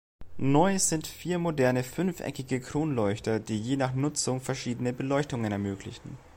Neu sind vier moderne fünfeckige Kronleuchter, die je nach Nutzung verschiedene Beleuchtungen ermöglichen.